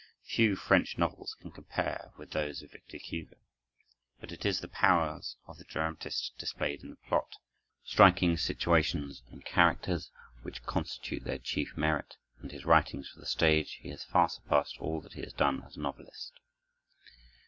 Few French novels can compare with those of Victor Hugo; but it is the powers of the dramatist displayed in the plot, striking situations and characters, which constitute their chief merit; and in his writings for the stage he has far surpassed all that he has done as novelist.